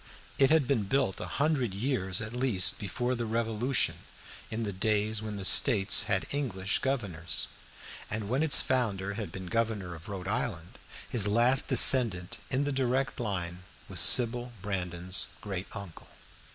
It had been built a hundred years at least before the Revolution in the days when the States had English governors, and when its founder had been governor of Rhode Island. His last descendant in the direct line was Sybil Brandon's great uncle.